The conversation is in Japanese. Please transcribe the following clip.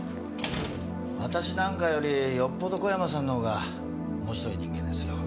私なんかよりよっぽど小山さんのほうが面白い人間ですよ。